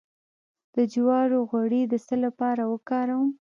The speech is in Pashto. د جوارو غوړي د څه لپاره وکاروم؟